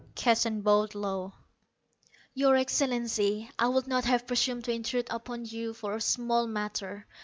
Keston bowed low. "Your Excellency, I would not have presumed to intrude upon you for a small matter.